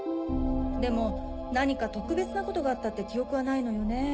でも何か特別なことがあったって記憶はないのよね。